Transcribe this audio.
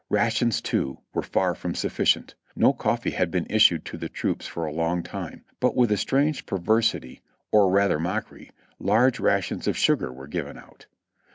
Rations, too, were far from sufficient ; no coffee had been issued to the troops for a long time ; but with a strange perversity, or rather mockery, large rations of sugar were given out.